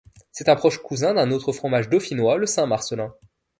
C'est un proche cousin d'un autre fromage dauphinois, le saint-marcellin.